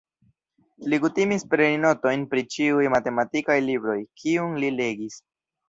Li kutimis preni notojn pri ĉiuj matematikaj libroj, kiun li legis.